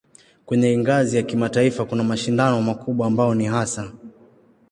Kwenye ngazi ya kimataifa kuna mashindano makubwa ambayo ni hasa